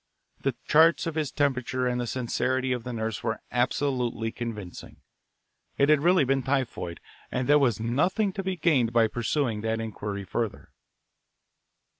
The charts of his temperature and the sincerity of the nurse were absolutely convincing. It had really been typhoid, and there was nothing to be gained by pursuing that inquiry further.